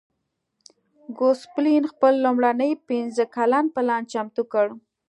ګوسپلن خپل لومړنی پنځه کلن پلان چمتو کړ.